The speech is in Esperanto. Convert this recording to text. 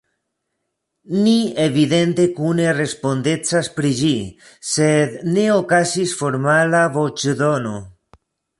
Ni evidente kune respondecas pri ĝi, sed ne okazis formala voĉdono.